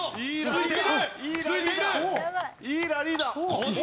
いいラリーだ。